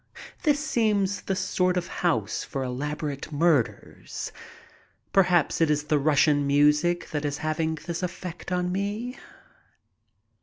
This seems the sort of house for elaborate murders. Perhaps it is the Russian music that is having this effect on me.